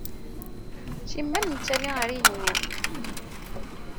Simmal nettali ar igenni.